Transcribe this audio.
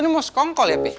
ini mau sekongkol ya bi